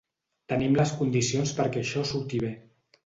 Tenim les condicions perquè això surti bé.